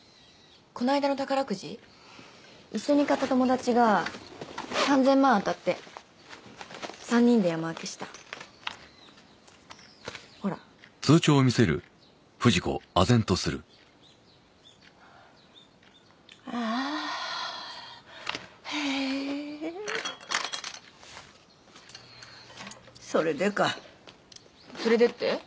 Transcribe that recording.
この間の宝くじ一緒に買った友達が３０００万当たって３人で山分けしたほらああーへえーそれでかそれでって？